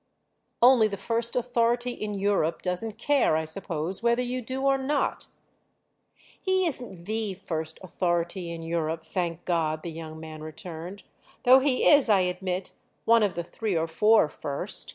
"Only the first authority in Europe doesn't care, I suppose, whether you do or not!" "He isn't the first authority in Europe, thank God," the young man returned—"though he is, I admit, one of the three or four first.